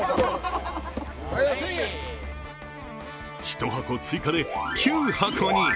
１箱追加で、９箱に。